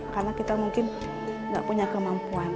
karena kita mungkin tidak punya kemampuan